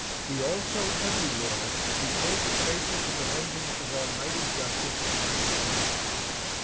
We also every where behold the traces of the vengeance of Almighty Justice upon his crimes.